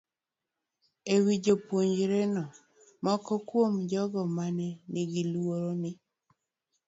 E wi japuonjreno, moko kuom jogo ma ne nigi luoro ni